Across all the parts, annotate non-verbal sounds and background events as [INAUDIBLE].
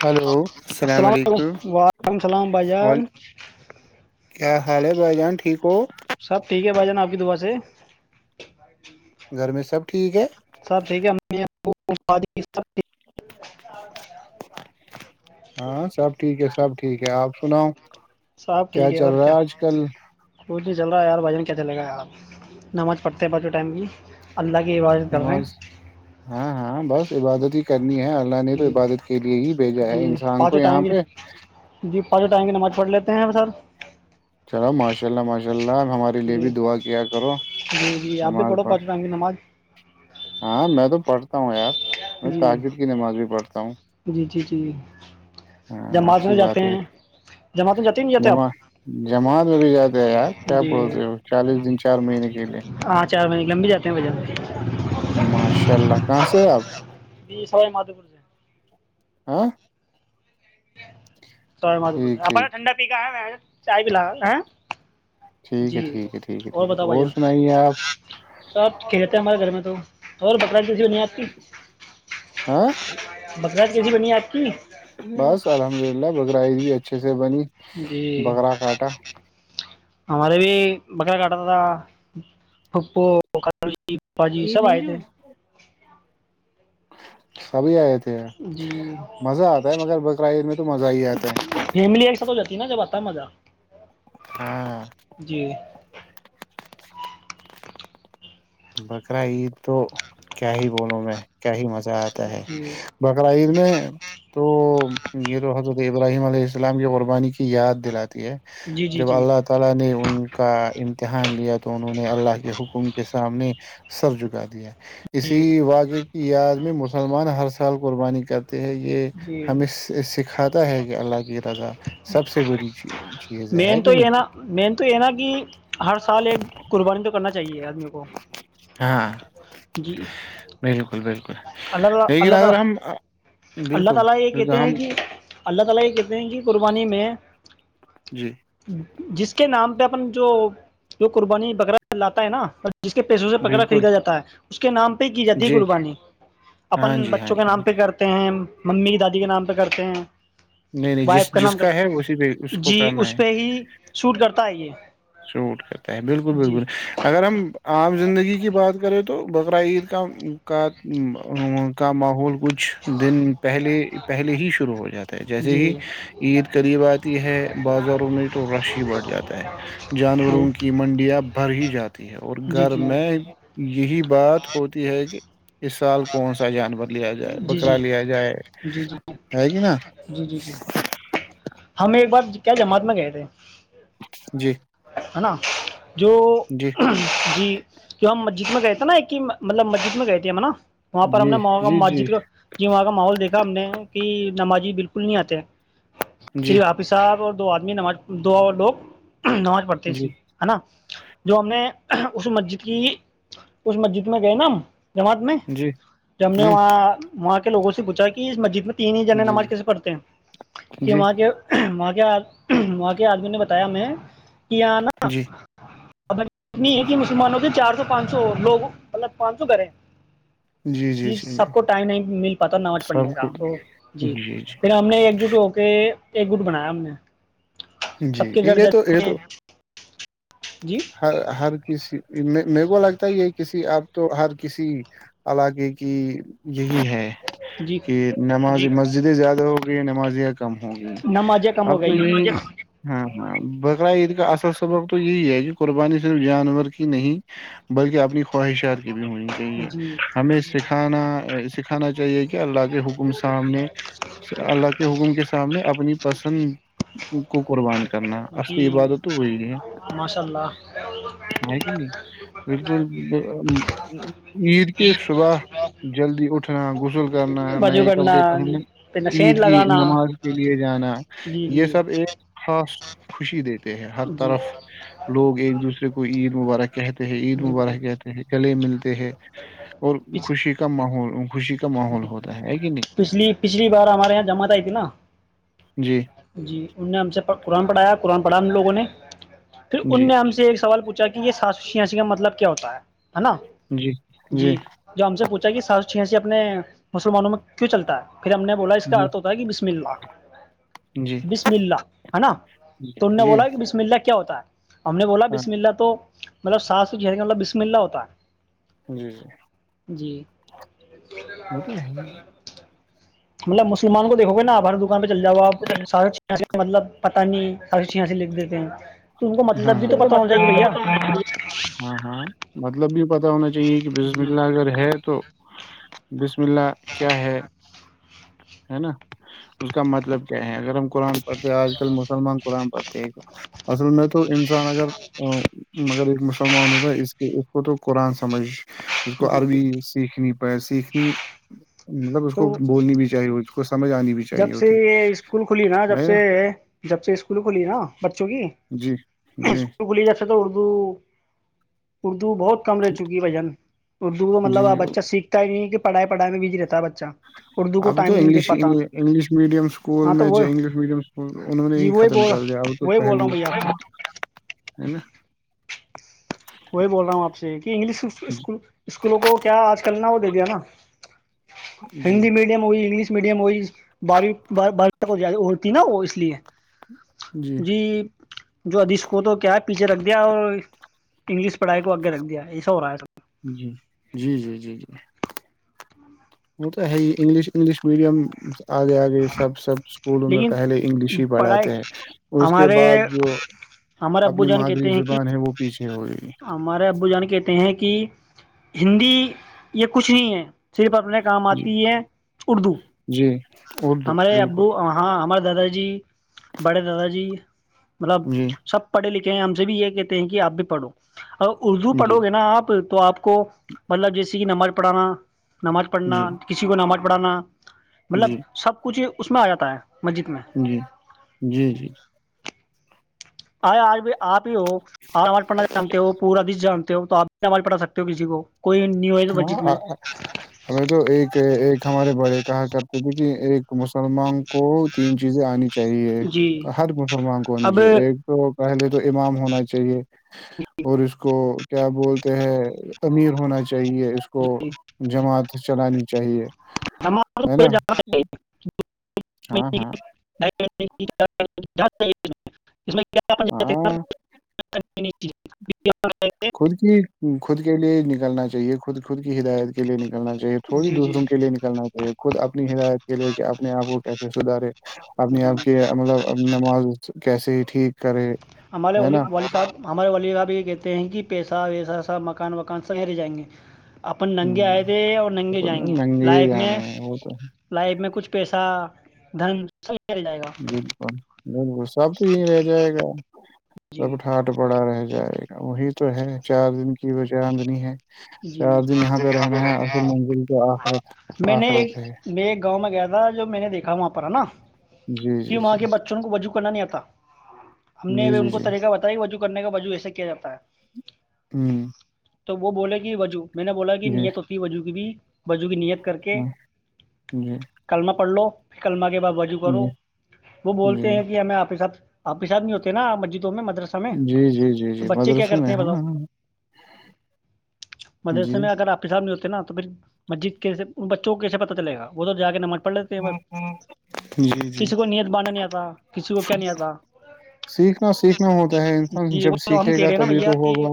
Hello السلام علیکم وعلیکم السلام بھائی وال جان کیا حال ہے بھائی جان ٹھیک ہو سب ٹھیک ہے بھائی جان آپ کی دکان سے گھر میں سب ٹھیک ہے سب ٹھیک ہے ہاں سب ٹھیک ہے سب ٹھیک ہے آپ سناؤ سب کیا ٹھیک چل اور رہا ہے آج کل کچھ نہیں چل رہا ہے یار بھائین کیا چلے گا یار نماز پڑتے ہیں بچ ٹائم کی اللہ کی آواز نماز ہاں ہاں بس یہ بادتی ہی کر اللہ نے تو جی عبادت کے لیے ہی بھیجا ہے جی انسان کو یہاں پہ پ ٹائیںگے نماز پڑھ لیتے ہیں ا سر چلو ماشاء اللہ ماشاء اللہ ہمارے لیے جی بھی دعا کیا کرو جی جی آپ بھی نماز پڑھو پڑھ پانچوں ٹائم کی نماز ہاں میں تو پڑھتا ہوں یار میں جی تاجر کی نماز بھی پڑھتا ہوں جی جی جی ہاں جماعت میں اچھی جاتے بات ہے ہیں جماعت میں جاتے ہیں نہیں جاتے جم آپ جماعت میں بھی جاتے ہے یار کیا بولتے ہو جی چالیس دن چار مہینے کے لیے چارج لمبیاتا کنے بجے ماشاء اللہ کہاں سے ہیں آپ ج سب مات پور سے ہاں س م پ ٹھیک آپ نے ٹھیک ٹنڈا پھا ہے چاہ پلا ہاں ٹھیک ہے ٹھیک ہے ٹھیک ہے ٹھیک ہے اور سنائیے آپ سب کھیلتے ہمارے گھر میں تو اور بکر جیسی نہیں آتی ہاں ک بنی آپ بس الحمد للہ ب پرائز بھی اچھے سے سے بنی جی بکرا کاٹا ہمارے بھی بکرا کاٹا تھا پھو یہ م جوو سبھی آئے تھے جی مزہ آتا ہے مگر بقرا عید میں تو مزہ ہی آتا ہے ست مزہ ہاں جی بکرا عید تو کیا ہی بولوں میں کیا ہی مزہ آتا ہے جی بکرا عید میں تو یہ تو حضرت ابراہیم علیہ السلام یہ قربانی کی کی یاد دلاتی ہے جی جی جب جی اللہ تعالی نے ان کا امتحان لیا تو انہوں نے اللہ کے حکم کے سامنے سر جکا دیا جی اسی واقعے کی یاد میں مسلمان ہر سال قربانی کر جی ہے کہ اللہ کی رضا سب سے بڑی چی- چیز ہے ہے مین کہ تو نہیں یہ نا مین تو یہ نا کہ ہر سال ایک قربانی تو کرنا چاہیے آدمی کو ہاں جی بالکل بالکل اللہ تعالی لیکن اللہ اگر تعالی ہم اللہ بالکل تعالی یہ کہتے ہم ہیں کہ اللہ تعالی کہتے ہیں کہ قربانی میں جی جس کے نام پر اپن جو جو قربانی وغیرہ لاتا ہے نہ جس کے پیسوں سے بکرا بالکل خریدا جاتا ہے اس کے نام پہ کی جاتی جی قربانی ہاں اپن جی ہاں بچوں کے جی ہاں نام جی پہ کرتے ہیں ممی دادی کے نام پہ کرتے ہیں نہیں نہیں جس وائف کا جس نام کر ہے اسی پہ اس کو جی کرنا اس پہ ہی سوٹ کرتا ہے یہ شورٹ کرتا ہے بالکل جی بالکل اگر ہم عام زندگی کی بات کریں تو بکرا عید کا کا کا ماحول کچھ دن پہلے پہلے ہی شروع ہو جاتا ہے جیسے ہی جی عید قریب آتی ہے بازاروں میں تو رش ہی بڑھ جاتا ہے جانوروں کی منڈیاں بھر ہی جاتی ہے اور جی جی گھر جی میں یہی ہوتی ہے کہ اس سال کون سا جانور لیا جائے جی بکرا جی لیا جائے جی جی ہے ہے کہ نا جی جی جی ہمیں ایک بار کیا جماعت میں گئے تھے جی ہے نا جو جی جی کی ہم مسجد میں گئے تھے نا ایک کہ مطلب مسجد میں گئے تھے ہیں ہم نا وہاں پر ہم نے جی وہاں کا جی جی مسجد کا جی وہاں کا ماحول دیکھا ہم نے کہ [INAUDIBLE] نمازی بالکل نہیں آتے جی حافظ صاحب اور دو آدمی نماز دو اور لوگ نماز پڑھتی جی تھی ہے نا جو ہم نے اس مسجد کی اس مسجد میں گئے نا ہم جمت میں جی جم نے ہ وہاں ووں سے پچھا کہ اس مسجد میں ت جی نماز کیسے پڑھتے ہیں کہ جی وہاں کے وہاں کے وہاں کے آدمی نے بتایا میں پیانہ جی اب اتنی ہے کہ مسلمانوں سے چار سو پانچ سو لوگ مطلب پانچ سو کریں جی سب کو ٹائم نہیں مل پاتا نماز سب پڑھنے کو کا تو جی پھر ہم نے ایک جٹ ہو کہ ایک گٹ بنایا ہم نے جی سب کے گھر یہ جا تو یہ کے تو جی [UNINTELLIGIBLE] [UNINTELLIGIBLE] میرے کو لگتا ہے یہ کسی آپ تو ہر کسی علاقے کی یہی ہے جی کہ نمازی مسجدیں زیادہ ہوگئی نمازیاں کم ہو گی نمازیں کم ہو اب تو گئی یہی ہاں [UNINTELLIGIBLE] اا اید کا اا سبگ تو یہی ہے کہ قربانی صرف جانور کی نہیں بلکہ اپنی خواہشات کی بھی ہونی چاہیے جی ہمیں سکھانا کانا چاہیے کہ کہ اللہ کے حکم سامنے اللہ کے حکم کے سامنے اپنی پسند [UNINTELLIGIBLE] کرنا جی اصلی عبادت تو وہی نہیں ہے ماشاء اللہ ہے کہ نہیں بالکل عید کے صبح جلدی اٹھنا غسل کرنا وضو نئے کرنا کپڑے پہننے پھر عید نشین کی لگانا نماز کے لیے جانا جی جی یہ سب ایک خاص [UNINTELLIGIBLE] ہے ہر جی طرف لوگ ایک دوسرے کو عید مبارہ کہتے ہیں عید جی مبارک کہتے ہیں گلے ملتے ہیں اور پچ- خوشی کا ماحول خوشی کا ماحول جی ہوتا ہے ہے کہ نہیں پچھلی پچھلی بار ہمارے یہاں جمعت آئی تھی نا جی جی ان نے ہم سے پ قرآن پڑھایا قرآن پڑھا ہم لوگوں نے پھر ان جی نے ہم سے ایک سوال پوچھا تاکہ یہ سازشیں ایسی کا مطلب کیا ہوتا ہے ہے نا جی جو ہم سے پوچھا کہ سا چھ سے اپنے مسلمانوں میں کیوں چلتا ہے پھر ہم نےولا اس کا جی اتھتا کہ بسم اللہ جی بسم اللہ ہے نا جی تو ان نے جی بولا کہ بسم اللہ کیا کیا ہوتا ہے ہم نے بولا ہاں بسم اللہ تو مطلب ساس چ مطلب بسم اللہ ہوتا ہے جی جی وہ تو ہے [UNINTELLIGIBLE] مطلب مسلمان کو دیکو گے ن ابر د پہ چل جاؤ آپ سارا مطلب پانی ایااں سے لکھ دیتے ہیں تو ان کو مطلب بھی تو پتہ ہونا چاہیے بھیا [UNINTELLIGIBLE] مطلب بھی پتا ہونا چاہیے کہ بزم جی اللہ اگر ہے تو [UNINTELLIGIBLE] رملہ کیا ہے ہے نا اس کا مطلب کیا ہے اگر ہم قرآن پڑھتے آج کل مسلمان قرآن پڑھتے ہیں مصلم میں تو تو انگر مگر مسلمانوںتا اس کے اس کو تو قرآن سمجھ اسس کو جی عربی سیکھنی پائے سیکھنی مطلب اس کو تو بولنی بھی چاہیے کو سمجھ آنی بھی چاہیے جب سے ہوتی یہ اسکول کھلی نا جب سے جب سے اسکول کھلی نا بچوں کی جی جی اسکول کھلی جا تو اردو اردو بہت کم رہ چکی ہے بجن اردو کا مطلبب جی بچہ سیکھتا ہی نہیں کہ پڑائی پڑا میں بھیج رہتا ہےچ اچھا اردو کو اب ٹائم تو نہیں دے انگلش پاتا انگلش میڈیم اسکول ہاں تو میں وہ جو انگلش میڈیم اسکول انہوں نے جی ہی وہی ختم بول کر دیا اب تو وہی بول رہا پہلی ہوں بھیا آپ سے ہے نا کوی بول رہا ہوں آپ سے کہ انگلش جی اسکولوں کو کیا آج کل نہ ہوتا دیا نا جی ہندی میڈیم ہوئی انگلش میڈیم ہو بارویں بار ہوتی نا وہ اس لیے جی جو ادیش کو تو کیا ہے پیچھے رکھ دیا اور انگلش پڑھائی کو اگے رکھ دیا ایسا ہو رہا ہے س جی جی جی جی وہ تو ہے انگلش انگلش میڈیم آگے آگے سب سب اسکولوں میں پہلے انگلش ہی لیکن پڑھائی پڑھاتے ہیں اس کے ہمارے بعد جو ہمارے ابو اپنی جان مادری کہتے ہیں کہ زبان ہے وہ پیچھے ہو رہی ہمارے ابو جان کہتے ہیں کہ ہندی یہ کچھ نہیں ہے صرف اپنے کام جی آتی ہے اردو جی اردو ہمارے ابو بالکل ہاں ہمارے دادا جی بڑے دادا جی مطلب جی سب پڑھے لکھے ہم سے بھی یہ کہتے ہیں کہ آپ بھی پڑھو ہ اردو جی پڑھو گے نا آپ تو آپ کو مطلب جیسے کہ نمباز پڑھانا نماز پڑھنا جی کسی کو نماز کپڑاانا مطلب جی سب کچھ اس میں آ جاتا ہے مسجد میں جی جی جی آ آج بھی آپ ہو آرام آٹ پٹن جانتے ہو پورا دیس جانتے ہو تو آپ آواز پڑھ سکتے ہو کسی کو کوئی نیو ہے تو مسجد میں ہاں ہمیں تو ایک ایک ہمارے بڑے کہاں کر تو د کہ ایک مسلمان کو تین چیزیں آنی چاہیے جی ہر مسلمان کو ہونی اب چاہیے ایک تو پہلے تو امام ہونا چاہیے اور اس کو کیا بولتے ہیں امیر ہونا چاہ چاہیے اس کو جماعت چلانی چاہیے ہے نا [INAUDIBLE] ہاں ہاں [INAUDIBLE] [INAUDIBLE] [INAUDIBLE] ہاں [INAUDIBLE] خود کی ہ خود کے لیے نکلنا چاہیے خود خود کی ہدایت کے لیے نکل نکلنا چاہیے تھوڑی جی جی دوسروں کےے نکلنا چاہیے خود اپنی ہدایت کے لے کے اپنے آپ کو کیسے سدھارے آنی جی آپ کی مطلب نماز کیسے ہی ٹھیک کرے ہمارے ہے نا وال صاب یہ کہتے ہیں کہ پیسہ ویسہ سب مکان وکان سبیرے جائیں گے اپن ننگے ہوں آئے تھے اور ننگے پر جائیں نا گے ننگے ہی لائف جانے میں ہیں وہ تو ہے. لائف میں کچھ پیسہ درم س چل جائے گا بالکل بالکل سب تو یہیں رہ جائے گا جی سب ک ھاٹ پڑا رہ جائے گا وہی تو ہے چار دن کی وجہ آدنی ہے جی چار دن یہاں پہ رہنا ہے رہ اصل منزل تو آخرت میں نے ایک آخرت ہے میں ایک گاؤں میں گیا تھا جو میں نے دیکھا وہاں پر ہے نا جی کہ جی وہاں جی کے بچوں کو بج ککن نہیں آتا ہم نے جی جی ان کو جی طریقہ بتایا وہ جو کرنے کا باجو ایسا کیا جاتا ہے ہوں تو وہ بولے بجو میں نے بولا کہ جی نہیں ہے تو اسفسی وجو کی بھی بجو کی نیت کر کے ہاں جی کللمہ پڑھ لو کلما کے واجو کرو جی وہ بولتے جی ہیں کہ ہمیں آپ کے ساتھ آپ حسب نہیں ہوتے نا مسجد جی جی جی جی مدرسوں میں کرتے ہیں ہے بتاؤ مدرسے میں اگر آپ نہیں ہوتے نا تو پھر مسجد کیے ان بچوں کو کیسے پتا چلےا ادھر جا کے نمر پ جی جی کسی کو نیت باندھنا نہیں آتا کسی کو کیا نہیں آتا سیکھنا سیکھنا ہوتا ہے انسان جی جب وہ ہم سیکھے کہہ گا رہے ہیں نا تبھی بھیا تو کہ ہوگا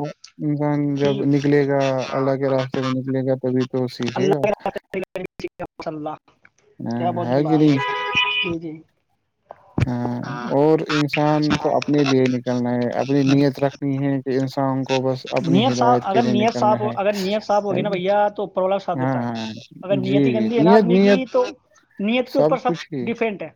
انسان کہ جب نکلے گا اللہ کے راستے میں نکلے گا تبھی تو سیکھے گا س اللہ کیا ہاں، بہت ہے گلا کہ نہیں ج جی ہاں اور انسان کو اپنے لیے نکلنا ہے اپنی نیت رکھنی ہے کہ انسان کو بس اپنی نیت صاف ہدایت کے اگر لیے نیت صاف نکلنا ہو ہے اگر نیت صاف ہوگی ہے نا کہ- بھیا تو اوپر والا ساتھ ہاں دیتا ہے ہاں اگر جی نیت ہی جی گندی ہے نا نیت آدمی نیت کی تو نیت کے اوپر سب کچھ ہی ڈیفنٹ ہے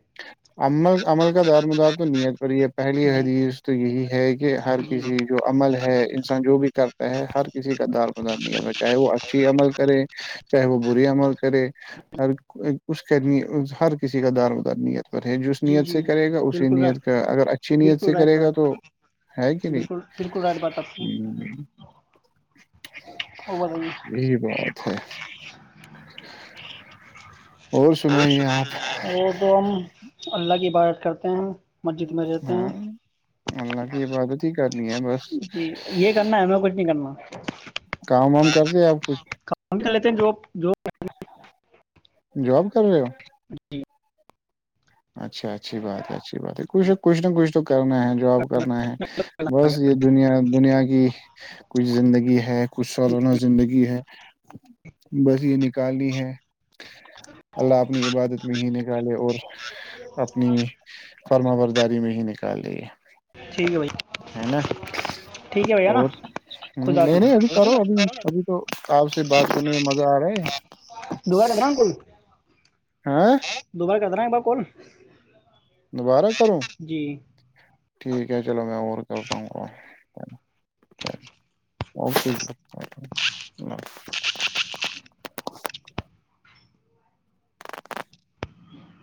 عمل عمل کا دارمدار تو نیت پر ہی ہے پہلی جی حدیث تو یہ ہے یہ ہر جی کسی جو عمل ہے انسان جو بھی کر ہر کسی کا دار مدار نہیں ہو چاہے وہ اچھی عمل کرے چاہےب بوری ہمر کرے اور کچ کہنی ہر کسی کا دار ودار نہیں پر ہے جس جی نیت جی سے کرے گا اسی بالکل رائٹ نیت کا اگر اچھی نیت سے بالکل رائٹ کرے بات گا تو ہے کہ نہیں بالکل بالکل رائٹ بات آپ کی ہ اور بتائیے یہی بات ہے اور سنائیے آپ وہ تو ہم اللہ کی عبادت کرتے ہیں ہم ہاں اللہ کی عبادت ٹیک ہے بس جی یہ کرنا ہے ہمیں کچھ نہیں کرنا [UNINTELLIGIBLE] کام وام کرتے آپ کچھ چےتے جو جواب کر رہ ہو جی اچھا اچھی بات ہے اچ اچھی بات ہے کچھ کچھ نہ کچھ تو کرنا ہے جواب کرنا ہے بس یہ دنیا دنیا کی کچھ زندگی ہے کچھ سالانہ زندگی ہے بس یہ نکالنی ہے اللہ اپنی عبادت میں ہی نکالے اور اپنی فرمہ برداری میں ہی نکالی ٹھیک ہے بھائی ہے نا ٹھیک ہے بھیا نا اور خدا نہیں نہیں ابھی حافظ کرو ابھی ابھی تو آپ سے بات سنی مجا رے دبا ل گرام کوئی ہاں [UNINTELLIGIBLE] دوبارہ کرد دینا ایک بار کن دوبارہ کرو ٹھیک ہے چلو میں اور کرتاوں گا اوکے اللہ حظ